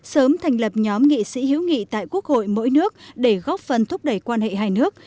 sớm thành lập nhóm nghị sĩ hữu nghị tại quốc hội mỗi nước để góp phần thúc đẩy quan hệ hai nước